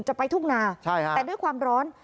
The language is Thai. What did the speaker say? จะไปทุ่งนาแต่ด้วยความร้อน